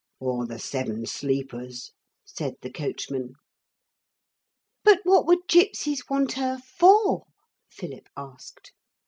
'Or the seven sleepers,' said the coachman. 'But what would gipsies want her for?' Philip asked.